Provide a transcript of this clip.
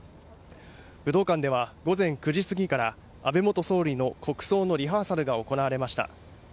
武道館では午前９時過ぎから安倍元総理の国葬のリハーサルが行われました。